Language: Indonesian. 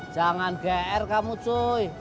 jangan gr kamu cuy